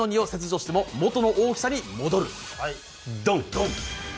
ドン！